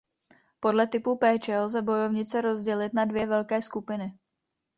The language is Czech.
Podle typu péče lze bojovnice rozdělit na dvě velké skupiny.